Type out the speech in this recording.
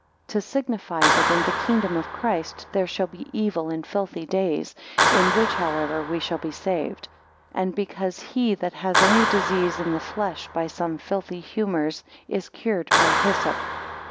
To signify that in the kingdom of Christ there shall be evil and filthy days, in which however, we shall be saved; and because he that has any disease in the flesh by some filthy humours, is cured by hyssop.